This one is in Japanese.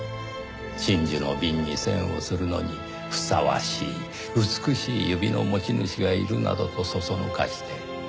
真珠の瓶に栓をするのにふさわしい美しい指の持ち主がいるなどとそそのかして。